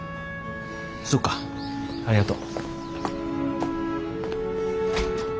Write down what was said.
そっかありがと。